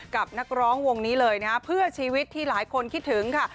กับนักร้องวงนี้เลยนะฮะเพื่อชีวิตที่หลายคนคิดถึงค่ะ